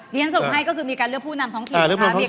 เรียนส่งให้ก็คือมีการเลือกผู้นำท้องถิ่น